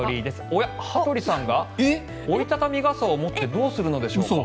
おや、羽鳥さんが折り畳み傘を持ってどうするんでしょうか？